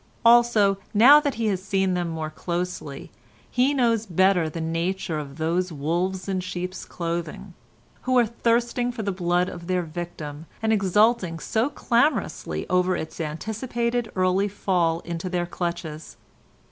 Also, now that he has seen them more closely, he knows better the nature of those wolves in sheep's clothing, who are thirsting for the blood of their victim, and exulting so clamorously over its anticipated early fall into their clutches.